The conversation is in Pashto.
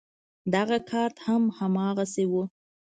دغه کارت هم هماغسې و.